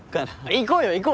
行こうよ行こうよ。